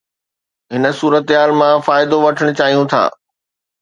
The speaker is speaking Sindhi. هن صورتحال مان فائدو وٺڻ چاهيو ٿا